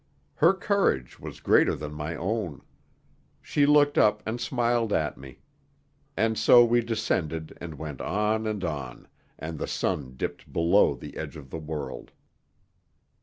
Her courage was greater than my own. She looked up and smiled at me. And so we descended and went on and on, and the sun dipped below the edge of the world.